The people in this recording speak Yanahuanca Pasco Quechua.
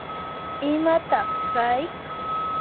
¿imataq tsay?